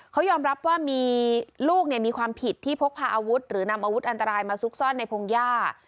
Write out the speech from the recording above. เขายอมรับว่ามีลูกมีความผิดที่พกพาอาวุธหรือนำอาวุธอันตรายมาซุกซ่อนในพงหญ้า